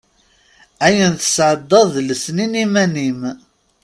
Ayen tesɛeddaḍ d lesnin iman-im.